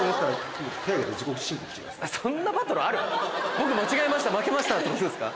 「僕間違えました負けました」ってことですか？